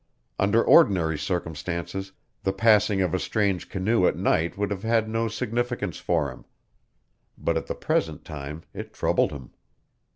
Under ordinary circumstances the passing of a strange canoe at night would have had no significance for him. But at the present time it troubled him.